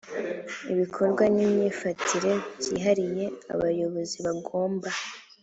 ibikorwa n imyifatire byihariye abayobozi bagomba